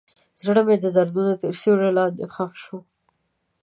زړه مې د دردونو تر سیوري لاندې ښخ شو.